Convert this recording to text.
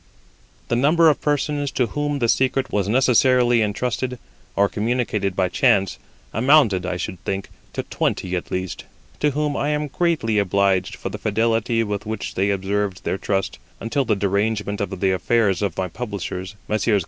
The number of persons to whom the secret was necessarily entrusted, or communicated by chance, amounted, I should think, to twenty at least, to whom I am greatly obliged for the fidelity with which they observed their trust, until the derangement of the affairs of my publishers, Messrs.